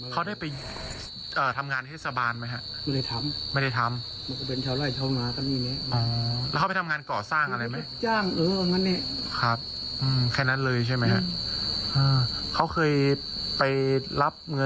เขาต้องอยู่เขาได้ทำงานเทศบาลไหมครับ